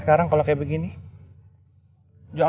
tidak ada yang bisa dihukum